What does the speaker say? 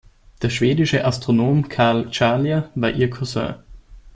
Der schwedische Astronom Carl Charlier war ihr Cousin.